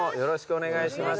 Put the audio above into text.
お願いします。